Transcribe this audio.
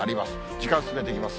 時間進めていきます。